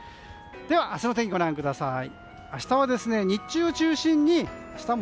では、明日の天気をご覧ください。